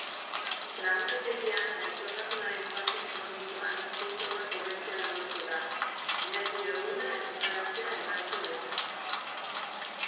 Laborategian gaixotasunaren fase kronikoan sintomak hobetzea lortu da, nerbio-ehuna erreparatzea erraztu baita.